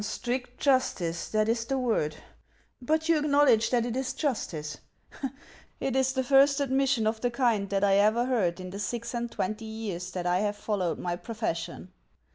" Strict justice ! that is the word ; but you acknowledge that it is justice. It is the first admission of the kind that 1 ever heard in the six and twenty years that I have followed my profession.